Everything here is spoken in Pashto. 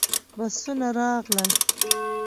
بسونه راغلل.